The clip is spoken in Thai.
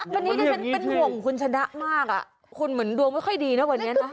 วันนี้ดิฉันเป็นห่วงคุณชนะมากคุณเหมือนดวงไม่ค่อยดีนะวันนี้นะ